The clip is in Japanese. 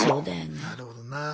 なるほどな。